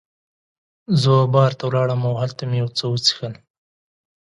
زه وه بار ته ولاړم او هلته مې یو څه وڅښل.